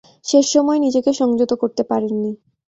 শেষ সময়ে নিজেকে সংযত করতে পারেননি।